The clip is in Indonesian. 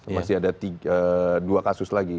masih ada dua kasus lagi